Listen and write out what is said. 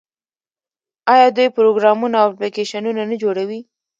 آیا دوی پروګرامونه او اپلیکیشنونه نه جوړوي؟